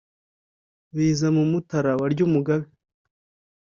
Biza mu Mutara wa Lyumugabe